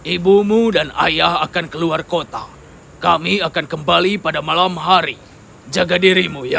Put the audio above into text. ibumu dan ayah akan keluar kota kami akan kembali pada malam hari jaga dirimu ya